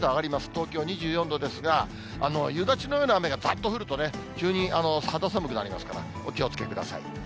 東京２４度ですが、夕立のような雨がざっと降るとね、急に肌寒くなりますから、お気をつけください。